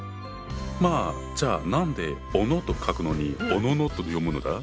じゃあ何で小野と書くのに「おのの」と読むのだ？